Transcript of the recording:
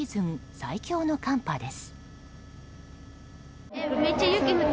最強の寒波です。